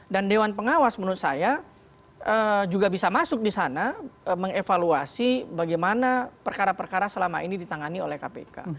dan dewan pengawas menurut saya juga bisa masuk di sana mengevaluasi bagaimana perkara perkara selama ini ditangani oleh kpk